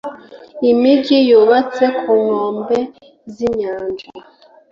imigi yubatse kunkombe zinyanja.